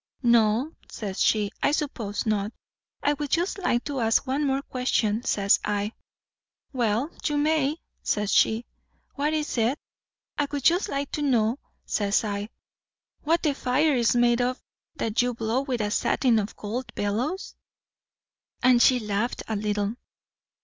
'No,' says she, 'I suppose not.' 'I would just like to ask one more question,' says I. 'Well, you may,' says she; 'what is it?' 'I would just like to know,' says I, 'what the fire is made of that you blow with a satin and gold bellows?' And she laughed a little.